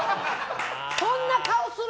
そんな顔する